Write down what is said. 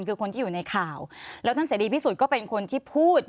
คือคนที่อยู่ในข่าวแล้วท่านเสรีพิสุทธิ์ก็เป็นคนที่พูด